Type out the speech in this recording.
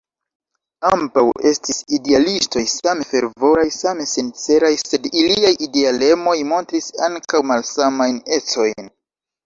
Ambaŭ estis idealistoj, same fervoraj, same sinceraj; sed iliaj idealemoj montris ankaŭ malsamajn ecojn.